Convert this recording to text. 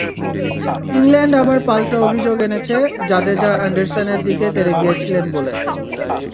England আবার পাল্টা অভিযোগ এনেছে জাদেজা অ্যান্ডারসনের দিকে তেড়ে গিয়েছিলেন বলে।